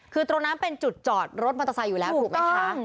คือตรงนั้นเป็นจุดจอดรถมอเตอร์ไซค์อยู่แล้วถูกไหมคะ